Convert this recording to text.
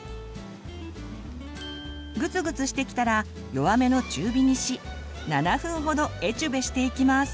グツグツしてきたら弱めの中火にし７分ほどエチュベしていきます。